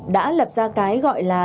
đã lập ra cái gọi là